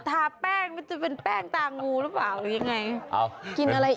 กูทาแป้งมันจะเป็นแป้งตางูหรือเปล่ายังไง